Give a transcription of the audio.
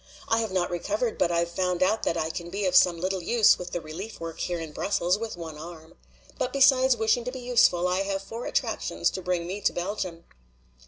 "I have not recovered, but I've found out that I can be of some little use with the relief work here in Brussels with one arm. But besides wishing to be useful, I have four attractions to bring me to Belgium."